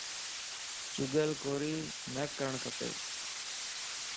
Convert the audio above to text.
چُگل ڪوري نه ڪرڻ کپ